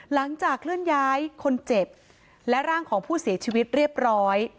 หลังจากเคลื่อนย้ายคนเจ็บและร่างของผู้เสียชีวิตเรียบร้อย